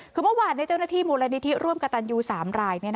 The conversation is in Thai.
คือเมื่อวานเจ้าหน้าที่มูลนิธิร่วมกับตันยู๓ราย